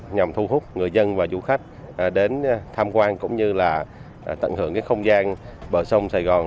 nhằm thu hút người dân và du khách đến tham quan cũng như là tận hưởng cái không gian bờ sông sài gòn